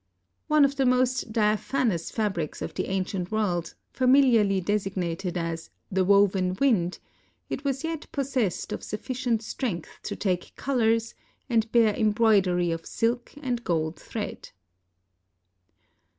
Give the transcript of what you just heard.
One of the most diaphanous fabrics of the ancient world, familiarly designated as "The Woven Wind," it was yet possessed of sufficient strength to take colors, and bear embroidery of silk and gold thread.